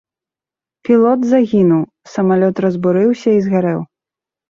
Пілот загінуў, самалёт разбурыўся і згарэў.